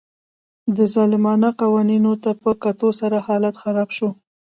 دې ظالمانه قوانینو ته په کتو سره حالت خراب شو